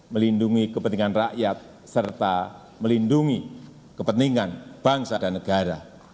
melindungi kepentingan rakyat serta melindungi kepentingan bangsa dan negara